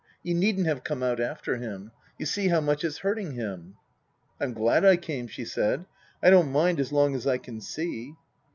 You needn't have come out after him. You see how much it's hurting him." " I'm glad I came," she said. " I don't mind as long as I can see."